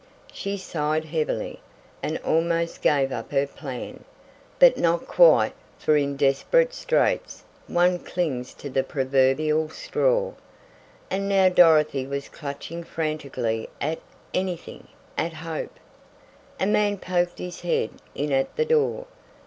She sighed heavily, and almost gave up her plan. But not quite, for in desperate straits one clings to the proverbial straw, and now Dorothy was clutching frantically at anything at hope. A man poked his head in at the door.